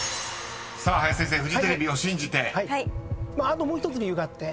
あと１つ理由があって。